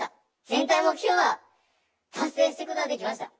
全体目標は達成することができました。